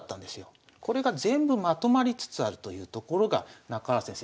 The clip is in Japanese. これが全部まとまりつつあるというところが中原先生